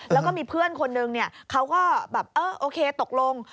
แล้วก็มีเพื่อนคนนึงเขาก็แบบเออโอเคตกลง